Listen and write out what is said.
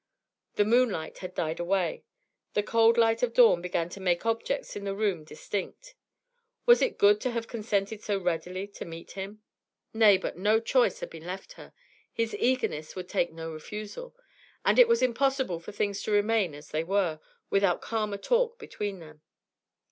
The moonlight had died away; the cold light of dawn began to make objects in the room distinct. Was it good to have consented so readily to meet him? Nay, but no choice had been left her; his eagerness would take no refusal; and it was impossible for things to remain as they were, without calmer talk between them.